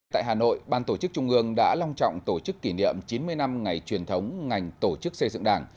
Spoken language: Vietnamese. tại hà nội ban tổ chức trung ương đã long trọng tổ chức kỷ niệm chín mươi năm ngày truyền thống ngành tổ chức xây dựng đảng